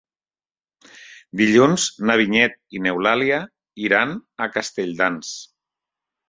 Dilluns na Vinyet i n'Eulàlia iran a Castelldans.